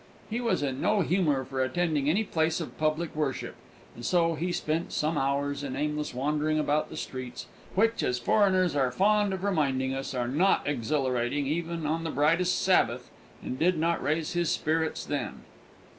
He was in no humour for attending any place of public worship, and so he spent some hours in aimless wandering about the streets, which, as foreigners are fond of reminding us, are not exhilarating even on the brightest Sabbath, and did not raise his spirits then.